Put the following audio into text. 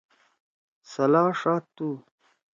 څلا ݜادتُو